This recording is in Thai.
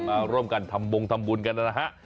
มาร่วมกันทำบงทำบุญกันนะฮะ